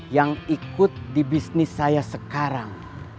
yang ikut di bisnis saya sekarang